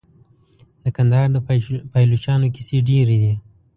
د کندهار د پایلوچانو کیسې ډیرې دي.